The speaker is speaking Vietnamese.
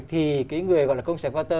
thì cái người gọi là công sản quát tơ